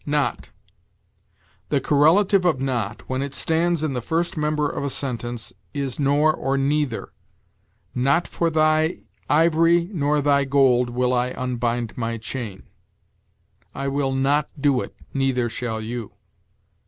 NOT. The correlative of not, when it stands in the first member of a sentence, is nor or neither. "Not for thy ivory nor thy gold will I unbind thy chain." "I will not do it, neither shall you."